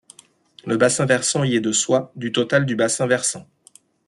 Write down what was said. Le bassin versant y est de soit du total du bassin versant.